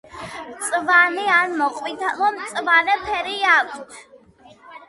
მწვანე ან მოყვითალო-მწვანე ფერი აქვთ.